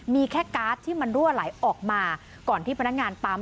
มีแค่การ์ดที่มันรั่วไหลออกมาก่อนที่พนักงานปั๊ม